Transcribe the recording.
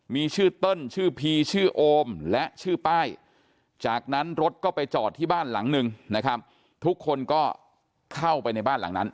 มีชื่อเติ้ลชื่อพีชื่อโอมและชื่อป้ายจากนั้นรถก็ไปจอดที่บ้านหลังนึงนะครับ